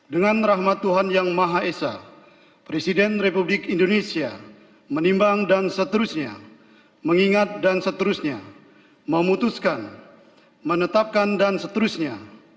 dengan rahmat tuhan yang maha esa presiden republik indonesia menimbang dan seterusnya mengingat dan seterusnya memutuskan menetapkan dan seterusnya